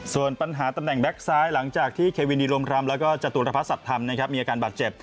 ส่วนปัญหาตำแหน่งแบ็คไซด์หลังจากที่เควินดีรมรำและจตุรพสัตว์ธรรมมีอาการบาดเจ็บ